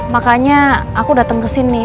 makanya aku datang kesini